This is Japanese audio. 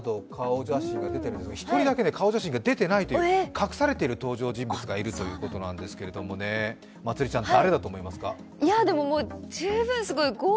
松坂さん、役所さんなど顔写真が出ていますが、１人だけ顔写真が出ていないという隠されている登場人物がいるということなんですが、誰だと思いますか？